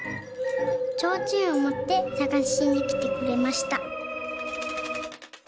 ちょうちんをもってさがしにきてくれました」。